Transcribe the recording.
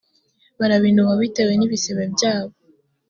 barabinuba bitewe n’ibisebe byabo